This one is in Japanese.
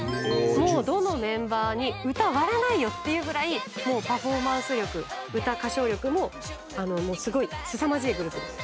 もうどのメンバーに歌割れないよっていうぐらいもうパフォーマンス力歌歌唱力もすごいすさまじいグループです。